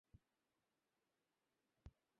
তাহলে, বেশ।